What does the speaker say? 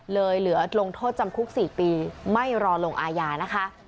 เหลือลงโทษจำคุก๔ปีไม่รอลงอาญานะคะ